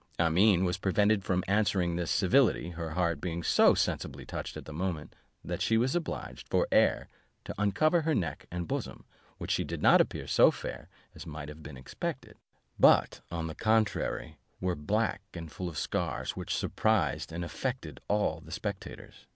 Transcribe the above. Amene was prevented from answering this civility, her heart being so sensibly touched at the moment, that she was obliged, for air, to uncover her neck and bosom, which did not appear so fair as might have been expected; but, on the contrary, were black and full of scars, which surprised and affected all the spectators.